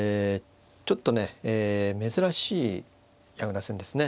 ちょっとね珍しい矢倉戦ですね。